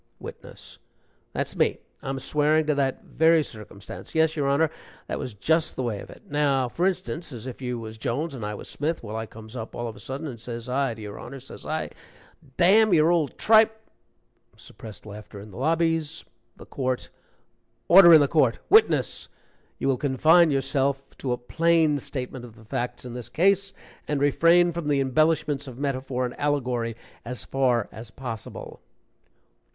WITNESS. "That's me I'm swearing to that very circumstance yes, your Honor, that was just the way of it. Now, for instance, as if you was Jones and I was Smith. Well, I comes up all of a sudden and says I to your Honor, says I, 'D n your old tripe '" (Suppressed laughter in the lobbies.) THE COURT. "Order in the court! Witness, you will confine yourself to a plain statement of the facts in this case, and refrain from the embellishments of metaphor and allegory as far as possible."